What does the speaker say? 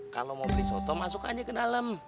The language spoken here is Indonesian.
kalau mau beli soto masuk aja ke dalam